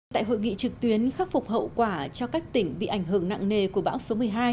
tại hội nghị trực tuyến khắc phục hậu quả cho các tỉnh bị ảnh hưởng nặng nề của bão số một mươi hai